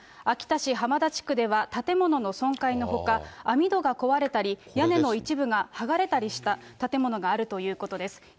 秋田市はまだ地区では、建物の損壊のほか、網戸が壊れたり、屋根の一部が剥がれたりした建物があるということです。